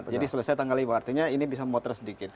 jadi selesai tanggal lima artinya ini bisa memotret sedikit